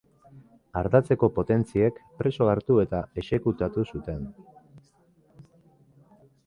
Ardatzeko potentziek preso hartu eta exekutatu zuten.